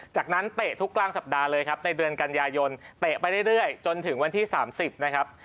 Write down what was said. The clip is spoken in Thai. จากนั้นเตะทุกกลางสัปดาห์เลยครับในเดือนกันยายนเตะไปเรื่อยจนถึงวันที่๓๐นะครับ